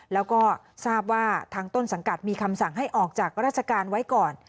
และก็ทางต้นสั่งกัดมีคำสั่งให้ออกจากราชการไว้ก่อน